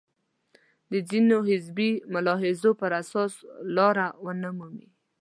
د ځینو حزبي ملاحظو پر اساس لاره ونه مومي.